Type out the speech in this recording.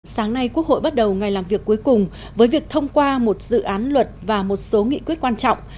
sáng nay quốc hội bắt đầu ngày làm việc cuối cùng với việc thông qua một dự án luật và một số nghị quyết quan trọng